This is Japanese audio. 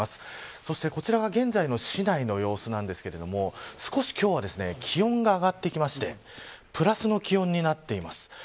そして、こちらは現在の市内の様子ですが少し今日は気温が上がってきましてプラスの気温になっています。